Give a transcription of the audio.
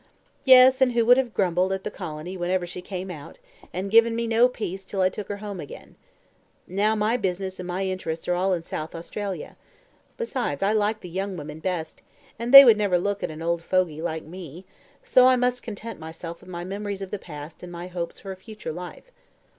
"Yes, and who would have grumbled at the colony whenever she came out, and given me no peace till I took her home again. Now my business and my interests are all in South Australia. Besides, I like the young women best, and they would never look at an old fogie like me; so I must content myself with my memories of the past and my hopes for a future life.